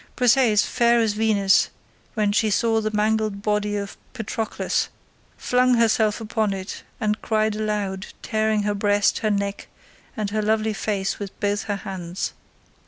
Briseis, fair as Venus, when she saw the mangled body of Patroclus, flung herself upon it and cried aloud, tearing her breast, her neck, and her lovely face with both her hands.